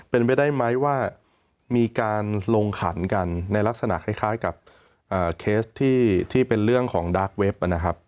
เป็นไปได้ไหมว่ามีการลงขันกันในลักษณะคล้ายกับเคสที่เป็นเรื่องของดาร์กเว็บนะครับ